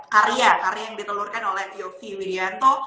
karya karya yang ditelurkan oleh yofi widianto